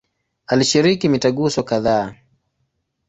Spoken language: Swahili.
Alishiriki mitaguso kadhaa.